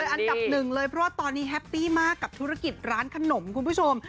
อันดับหนึ่งเลยเพราะว่าตอนนี้แฮปปี้มากกับธุรกิจร้านขนมคุณผู้ชม